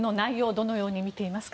どのように見ていますか？